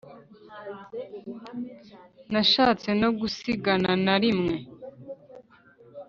Nashatse no gusigana rimwe